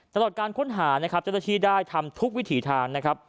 ตลอดการค้นหานะครับเจ้าหน้าที่ได้ทำทุกวิถีทางนะครับ